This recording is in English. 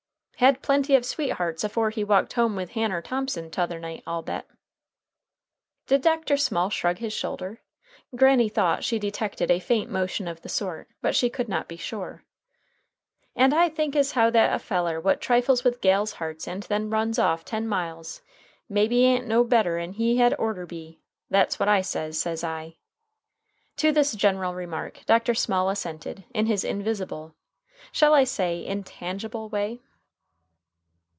"Had plenty of sweethearts afore he walked home with Hanner Thomson t'other night, I'll bet." Did Dr. Small shrug his shoulder? Granny thought she detected a faint motion of the sort, but she could not be sure. "And I think as how that a feller what trifles with gals' hearts and then runs off ten miles, maybe a'n't no better'n he had orter be. That's what I says, says I." To this general remark Dr. Small assented in his invisible shall I say intangible? way.